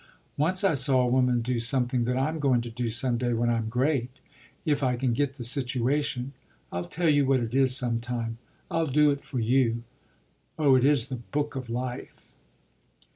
Once I saw a woman do something that I'm going to do some day when I'm great if I can get the situation. I'll tell you what it is sometime I'll do it for you. Oh it is the book of life!"